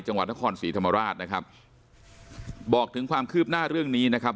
จังหวัดนครศรีธรรมราชนะครับบอกถึงความคืบหน้าเรื่องนี้นะครับ